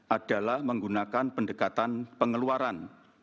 adalah menggunakan pendekatan pengeluaran